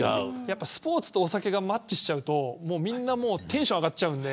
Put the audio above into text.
スポーツとお酒がマッチしちゃうとみんなテンションが上がっちゃうんで。